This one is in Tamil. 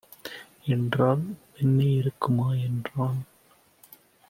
என்றாள். "வெந்நீர் இருக்குமா" என்றான்.